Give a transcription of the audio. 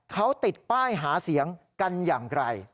เขาติดป้ายหาเสียงกันอย่างไกล